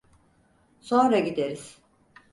Sonra gideriz!